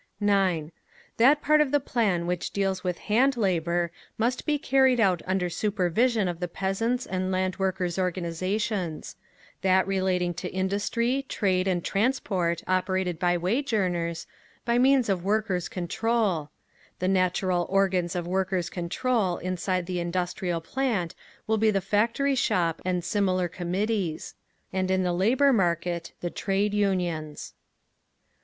9. That part of the plan which deals with land labour must be carried out under supervision of the peasants' and land workers' organisations; that relating to industry, trade and transport operated by wage earners, by means of Workers' Control; the natural organs of Workers' Control inside the industrial plant will be the Factory Shop and similar Committees; and in the labour market, the Trade Unions.